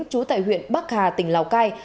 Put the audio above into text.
chú tại huyện bắc hà tỉnh lào cai